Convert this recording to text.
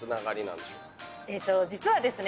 実はですね